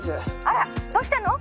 「あらどうしたの？」